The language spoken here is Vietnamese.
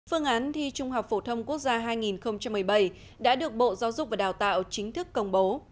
phương án thi trung học phổ thông quốc gia hai nghìn một mươi bảy đã được bộ giáo dục và đào tạo chính thức công bố